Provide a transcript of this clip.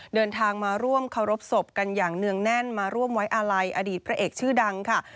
เดินทางมาร่วมเคารพศพกันอย่างเนื่องแน่นมาร่วมไว้อาลัยอดีตพระเอกชื่อดังค่ะ